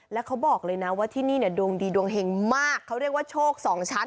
แล้วเขาบอกเลยนะว่าที่นี่เนี่ยดวงดีดวงเห็งมากเขาเรียกว่าโชคสองชั้น